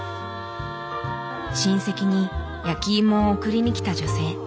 親戚に焼きいもを送りに来た女性。